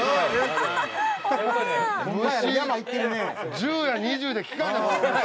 １０や２０で利かない。